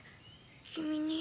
君に！